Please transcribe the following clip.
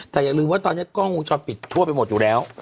แต่อย่าลืมว่าตอนนี้กล้องวงจรปิดทั่วไปหมดอยู่แล้ว